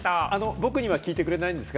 僕には聞いてくれないんですか？